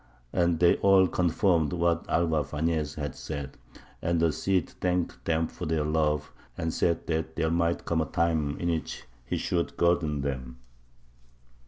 And they all confirmed what Alvar Fañez had said; and the Cid thanked them for their love, and said that there might come a time in which he should guerdon them.